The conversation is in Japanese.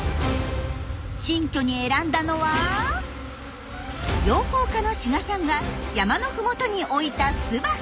新居に選んだのは養蜂家の志賀さんが山の麓に置いた巣箱。